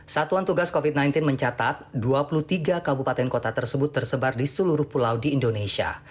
satuan tugas covid sembilan belas mencatat dua puluh tiga kabupaten kota tersebut tersebar di seluruh pulau di indonesia